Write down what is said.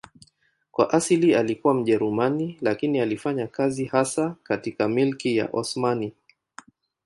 Kwa asili alikuwa Mjerumani lakini alifanya kazi hasa katika Milki ya Osmani.